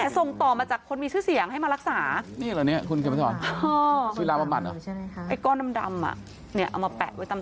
ส่งต่อมาจากคนมีชื่อเสียงให้มารักษา